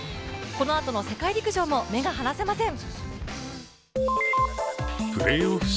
このあとの世界陸上も目が離せません。